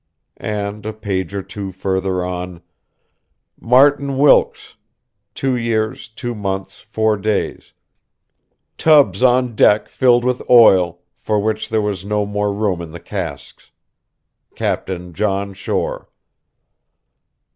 And, a page or two further on: "... Martin Wilkes ... two years, two months, four days ... tubs on deck filled with oil, for which there was no more room in the casks ... Captain John Shore."